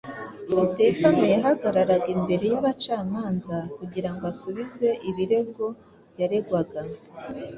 Sitefano yahagararaga imbere y’abacamanza kugira ngo asubize ibirego yaregwaga